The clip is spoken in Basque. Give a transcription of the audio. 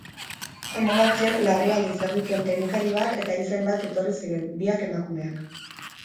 Anbulantzian larrialdi zerbitzuen teknikari bat eta erizain bat etorri ziren, biak emakumeak.